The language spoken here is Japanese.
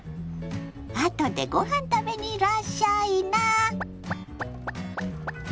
あとでごはん食べにいらっしゃいな。